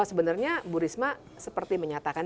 sebenarnya bu risma seperti menyatakan